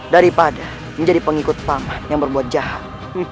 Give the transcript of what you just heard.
daripada menjadi pengikut paman yang berbuat jahat